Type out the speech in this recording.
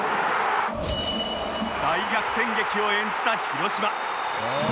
大逆転劇を演じた広島